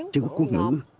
chữ quốc ngữ